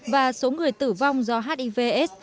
và số người tử vong do hiv s